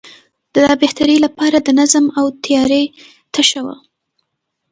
د لا بهترۍ لپاره د نظم او تیارۍ تشه وه.